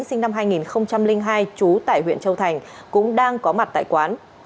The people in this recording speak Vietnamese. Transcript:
sinh năm hai nghìn hai trú tại huyện châu thành cũng đang có mặt tại quán